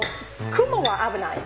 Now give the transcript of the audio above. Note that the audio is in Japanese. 熊が危ない。